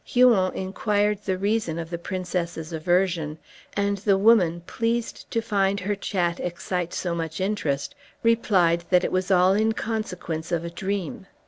Huon inquired the reason of the princess's aversion; and the woman pleased to find her chat excite so much interest, replied that it was all in consequence of a dream.